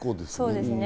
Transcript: そうですね。